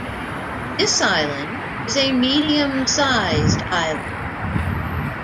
This island is a medium-sized island.